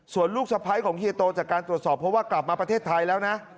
ส่วนลูกสะพ้ายของเฮียโตจากการตรวจสอบเพราะว่ากลับมาประเทศไทยแล้วนะ